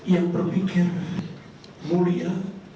yang berpikir mulia